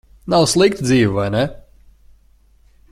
Nav slikta dzīve, vai ne?